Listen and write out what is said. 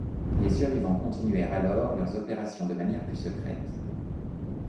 Les survivants continuèrent alors leurs opérations de manière plus secrètes.